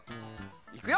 いくよ！